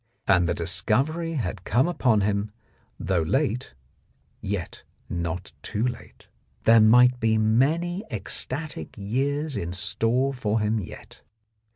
And the discovery had come upon him, though late, yet not too late. There might be many ecstatic years in store for him yet.